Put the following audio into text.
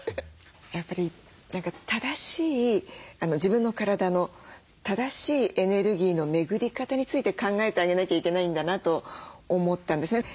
やっぱり正しい自分の体の正しいエネルギーの巡り方について考えてあげなきゃいけないんだなと思ったんですね。